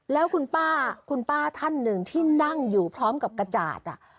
แล้วคุณป้าคุณป้าท่านหนึ่งที่นั่งอยู่พร้อมกับกระจาด